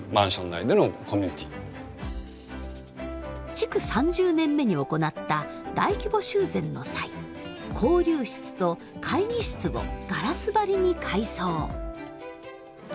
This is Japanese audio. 築３０年目に行った大規模修繕の際交流室と会議室をガラス張りに改装。